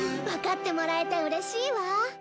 わかってもらえてうれしいわ。